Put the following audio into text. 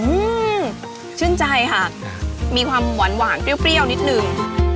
อืมชื่นใจค่ะมีความหวานหวานเปรี้ยวนิดนึง